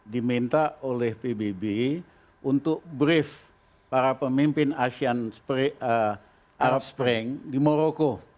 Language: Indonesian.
diminta oleh pbb untuk brief para pemimpin arab spring di moroko